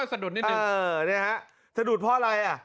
สะดุดนิดหนึ่งเออนี่ครับสะดุดเพราะอะไร